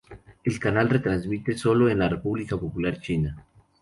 El canal retransmite sólo en la República Popular China.